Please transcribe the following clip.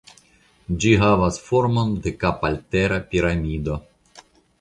Ĝi havas formon de kapaltera piramido.